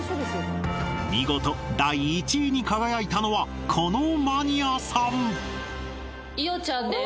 見事第１位に輝いたのはこのマニアさんいよちゃんです